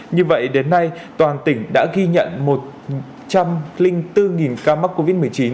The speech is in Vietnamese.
như vậy đến nay toàn tỉnh đã ghi nhận một trăm linh bốn ca mắc covid một mươi chín